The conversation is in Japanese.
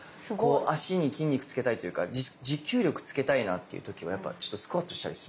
足に筋肉つけたいというか持久力つけたいなっていう時はやっぱスクワットしたりしますね。